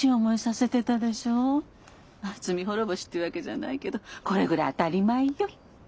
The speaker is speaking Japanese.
罪滅ぼしっていうわけじゃないけどこれぐらい当たり前よ。